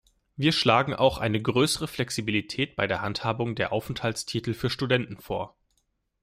Wir schlagen auch eine größere Flexibilität bei der Handhabung der Aufenthaltstitel für Studenten vor.